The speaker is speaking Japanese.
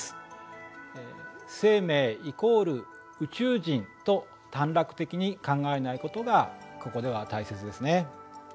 「生命イコール宇宙人」と短絡的に考えないことがここでは大切ですね。